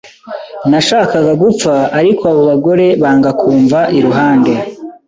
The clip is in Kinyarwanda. Nashakaga gupfa, ariko abo bagore banga kumva iruhande,